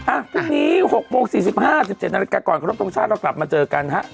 อ่ะวันนี้๖โปรง๔๕๑๗นก่อนกระทบตรงชาติเรากลับมาเจอกันฮะ